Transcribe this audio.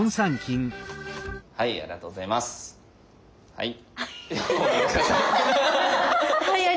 はい。